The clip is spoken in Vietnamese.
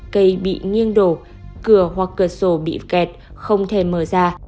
cây bị nghiêng đổ cửa hoặc cửa sổ bị kẹt không thể mở ra